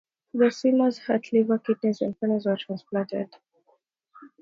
The swimmer's heart, liver, kidneys and corneas were transplanted.